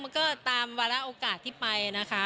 มันก็ตามวาระโอกาสที่ไปนะคะ